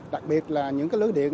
đặc biệt là những lưới điện